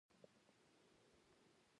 مځکه باید د تخریب څخه وساتل شي.